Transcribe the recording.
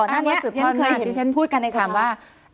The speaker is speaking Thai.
ก่อนหน้านี้ยังเคยเห็นพูดกันในสำหรับ